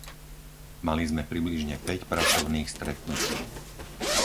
Mali sme približne päť pracovných stretnutí.